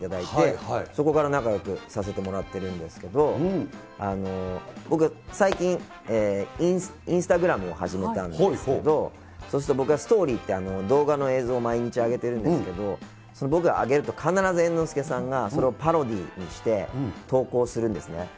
で舞台で去年、ご一緒させていただいて、そこから仲よくさせてもらってるんですけど、僕、最近、インスタグラムを始めたんですけど、そうすると、僕がストーリーって動画の映像を毎日上げてるんですけど、僕が上げると、必ず猿之助さんがそれをパロディにして投稿するんですね。